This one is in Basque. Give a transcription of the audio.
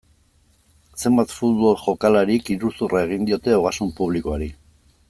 Zenbait futbol jokalarik iruzurra egin diote ogasun publikoari.